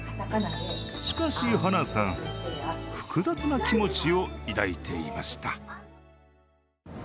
しかし、晴名さん、複雑な気持ちを抱いていました。